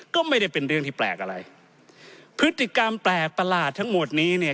ก็ไม่ได้เป็นเรื่องที่แปลกอะไรพฤติกรรมแปลกประหลาดทั้งหมดนี้เนี่ย